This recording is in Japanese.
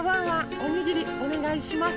おにぎりおねがいします。